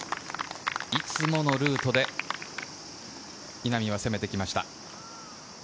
いつものルートで稲見は攻めてきました。